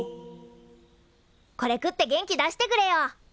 これ食って元気出してくれよ。